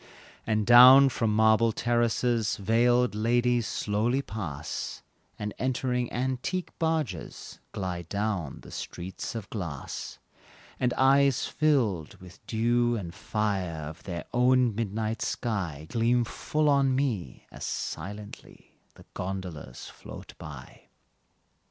And down from marble terraces Veiled ladies slowly pass, And, entering antique barges, Glide down the streets of glass; And eyes filled with the dew and fire Of their own midnight sky, Gleam full on me, as silently The gondolas float by.